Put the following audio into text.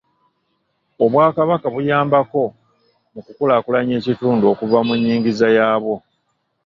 Obwakabaka buyambako mu kukulaakulanya ekitundu okuva mu nnyingiza yaabwo.